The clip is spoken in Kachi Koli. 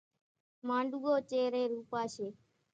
مانڏوُئو چيرين روپاشيَ۔